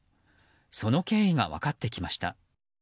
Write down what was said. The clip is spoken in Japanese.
その経緯が分かってきました。